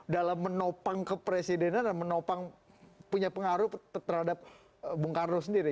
dalam menopang kepresidenan dan menopang punya pengaruh terhadap bung karno sendiri